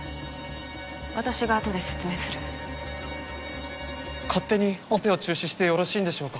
私があとで説明する勝手にオペを中止してよろしいんでしょうか？